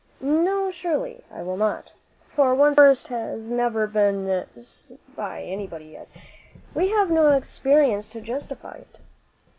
"No, surely I will not. For one thing, the worst has never been seen by anybody yet. We have no experience to justify it."